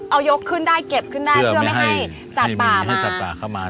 เอายกขึ้นได้เก็บขึ้นได้เพื่อไม่ให้สัตว์ป่ามา